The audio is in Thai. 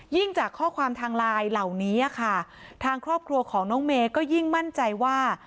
จากข้อความทางไลน์เหล่านี้ค่ะทางครอบครัวของน้องเมย์ก็ยิ่งมั่นใจว่า